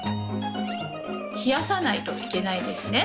冷やさないといけないんですね。